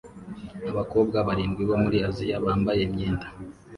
Abakobwa barindwi bo muri Aziya bambaye imyenda